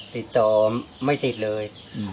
ติดต่อไม่ติดเลย